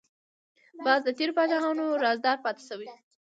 باز د تیرو پاچاهانو رازدار پاتې شوی